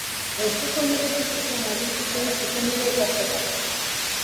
Deustuko unibertsitatean egin zituen zuzenbide-ikasketak.